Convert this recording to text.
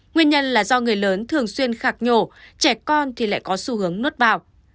nguyên nhân là do người lớn thường xuyên khạc nhổ trẻ con thì lại có xu hướng nốt vào